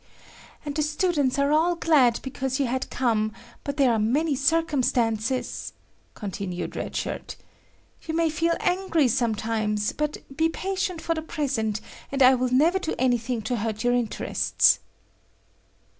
"And the students are all glad because you had come, but there are many circumstances," continued Red Shirt. "You may feel angry sometimes but be patient for the present, and I will never do anything to hurt your interests."